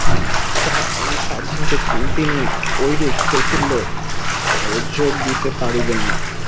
তাঁহার সাধ্যমত তিনি এরূপ শৈথিল্যে যোগ দিতে পারিবেন না।